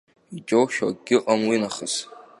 Иџьоушьо акгьы ыҟам уи нахыс.